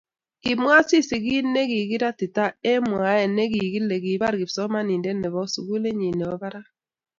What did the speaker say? kimwa Asisi kiit nekikiratita eng mwae nekikile kibar kipsomaninde nebo sukulitnyin nebo barak